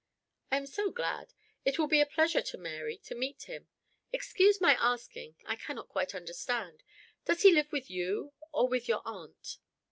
"I am so glad: it will be a pleasure to Mary to meet him. Excuse my asking I cannot quite understand does he live with you or with your aunt?"